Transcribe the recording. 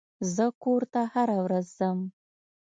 زه کور ته هره ورځ ځم.